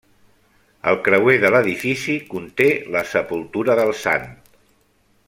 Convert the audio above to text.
El creuer de l'edifici conté la sepultura del sant.